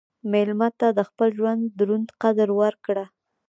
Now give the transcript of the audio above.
مېلمه ته د خپل ژوند دروند قدر ورکړه.